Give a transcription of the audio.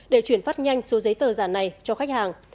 để chuyển phát nhanh số giấy tờ giả này cho khách hàng